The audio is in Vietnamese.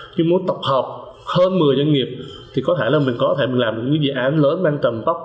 nhưng muốn tổng hợp hơn một mươi doanh nghiệp thì có thể là mình có thể làm những dự án lớn mang tầm tốc